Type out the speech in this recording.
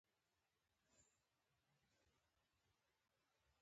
د نوي حکومت د جوړیدو لپاره